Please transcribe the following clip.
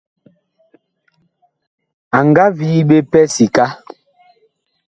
A nga vii ɓe pɛ sika.